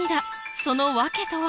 その訳とは？